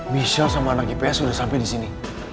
michelle sama anak ips udah sampe di sini